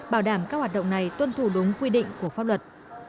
bảo đảm các hoạt động này tuân thủ đúng quy định của pháp luật